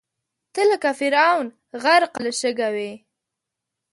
ته لکه فرعون، غرقه له شکه وې